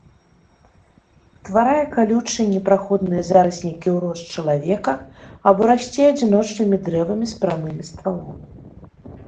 Утварае калючыя непраходныя зараснікі ў рост чалавека або расце адзіночнымі дрэвамі з прамымі стваламі.